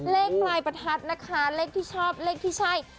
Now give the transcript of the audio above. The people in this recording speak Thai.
เลขปลายประทัดนะคะเลขที่ชอบเลขที่ใช่